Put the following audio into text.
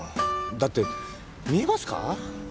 だって見えますか？